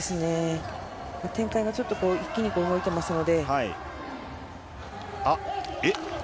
展開がちょっと一気に動いてますので。